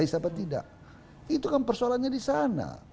itu kan persoalannya di sana